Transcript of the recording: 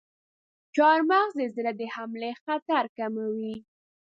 چارمغز د زړه د حملې خطر کموي.